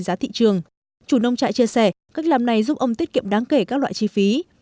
giá thị trường chủ nông trại chia sẻ cách làm này giúp ông tiết kiệm đáng kể các loại chi phí